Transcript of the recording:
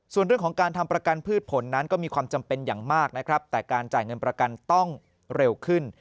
ส่วนเรื่องของการทำประกันพืชผลนั้นก็มีความจำเป็นอย่างมากนะครับแต่การจ่ายเงินประกันต้องเร็วขึ้น